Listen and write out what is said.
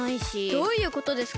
どういうことですか？